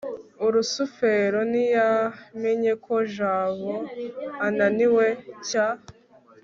rusufero ntiyamenye ko jabo ananiwe cy